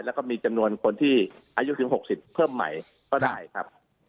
แล้วก็มีจำนวนคนที่อายุถึง๖๐เพิ่มใหม่ก็ได้ครับ